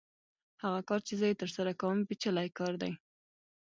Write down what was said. هغه کار چې زه یې ترسره کوم پېچلی کار دی